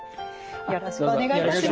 よろしくお願いします。